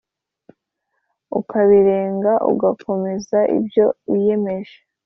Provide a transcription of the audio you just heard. ukabirenga, ugakomeza ibyo wiyemeje